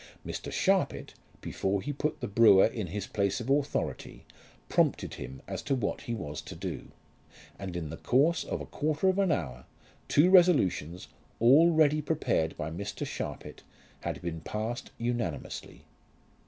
Mr. Sharpit, before he put the brewer in his place of authority, prompted him as to what he was to do, and in the course of a quarter of an hour two resolutions, already prepared by Mr. Sharpit, had been passed unanimously.